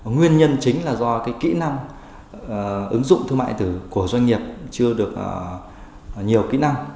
nguyên nhân chính là do kỹ năng ứng dụng thương mại điện tử của doanh nghiệp chưa được nhiều kỹ năng